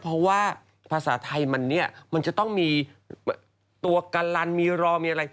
เพราะว่าภาษาไทยมันเนี่ยมันจะต้องมีตัวกะลันมีรอมีอะไร